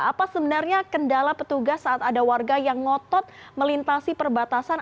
apa sebenarnya kendala petugas saat ada warga yang ngotot melintasi perbatasan